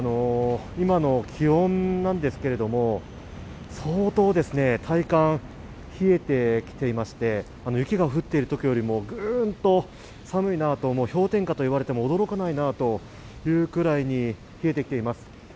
今の気温ですけれども、相当体感、冷えてきていまして、雪が降っているときよりも、グンと寒いなと、氷点下といわれても驚かないなというぐらいに冷えてきています